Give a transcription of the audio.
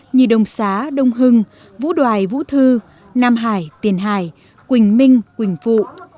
như đông xá đông hưng vũ đoài vũ thư nam hải tiền hải quỳnh minh quỳnh phụ